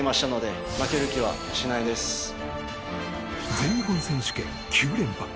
全日本選手権９連覇